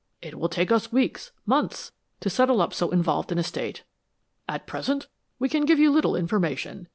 It will take us weeks, months, to settle up so involved an estate. "At present we can give you little information.